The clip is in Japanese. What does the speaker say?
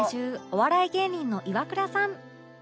お笑い芸人のイワクラさん